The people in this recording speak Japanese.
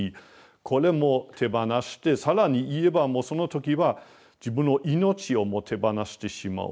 これも手放して更に言えばもうその時は自分の命をも手放してしまう。